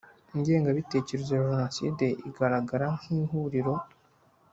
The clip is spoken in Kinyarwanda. ingengabitekerezo ya jenoside igaragara nk ihuriro